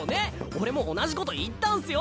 俺も同じこと言ったんすよ。